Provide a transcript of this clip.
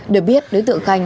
được biết đối tượng khanh